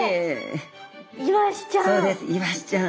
イワシちゃん。